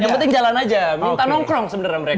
yang penting jalan aja minta nongkrong sebenarnya mereka